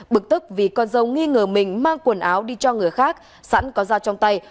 bực tức vì con dâu nghi ngờ mình mang quần áo đi cho người khác sẵn có ra trong tay